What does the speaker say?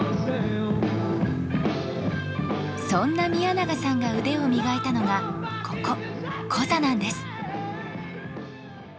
そんな宮永さんが腕を磨いたのがここコザなんです